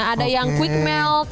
ada yang quick melt